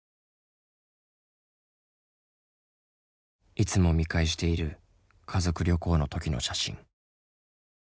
いつも見返している家族旅行の時の写真。